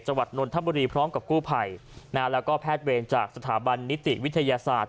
นนทบุรีพร้อมกับกู้ภัยนะฮะแล้วก็แพทย์เวรจากสถาบันนิติวิทยาศาสตร์